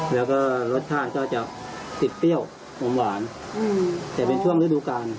แล้วก็รสชาติก็จะติดเปรี้ยวอมหวานแต่เป็นช่วงฤดูกาล